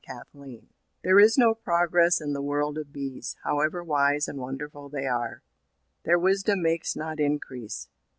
PROGRESS There is no progress in the world of bees, However wise and wonderful they are. Their wisdom makes not increase.